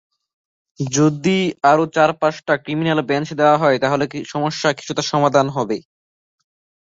যদি আরও চার-পাঁচটা criminal bench দেওয়া হয়, তাহলে সমস্যা কিছুটা সমাধান হবে।